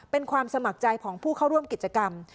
เป็นความสมัครใจของผู้เข้าร่วมกิจกรรม